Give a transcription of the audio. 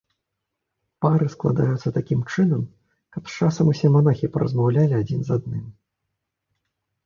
Пары складаюцца такім чынам, каб з часам усе манахі паразмаўлялі адзін з адным.